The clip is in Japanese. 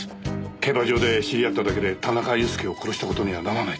競馬場で知り合っただけで田中裕介を殺した事にはならない。